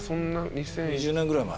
２０年ぐらい前。